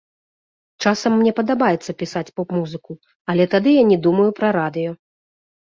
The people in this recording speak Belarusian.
Часам мне падабаецца пісаць поп-музыку, але тады я не думаю пра радыё.